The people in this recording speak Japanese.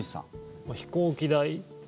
飛行機代。